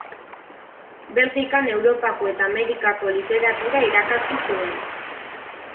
Belgikan Europako eta Amerikako literatura irakatsi zuen.